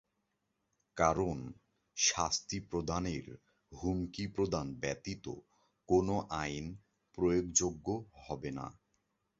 কারণ শাস্তি প্রদনের হুমকি প্রদান ব্যতীত কোনো আইন প্রয়োগযোগ্য হবে না।